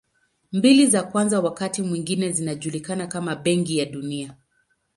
Mbili za kwanza wakati mwingine zinajulikana kama Benki ya Dunia.